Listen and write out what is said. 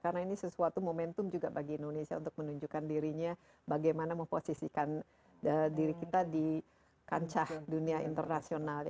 karena ini sesuatu momentum juga bagi indonesia untuk menunjukkan dirinya bagaimana memposisikan diri kita di kancah dunia internasional